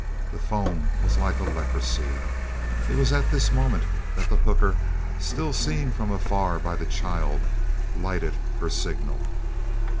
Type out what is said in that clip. The foam was like a leprosy. It was at this moment that the hooker, still seen from afar by the child, lighted her signal.